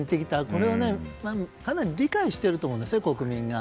これはかなり理解してると思うんですね、国民が。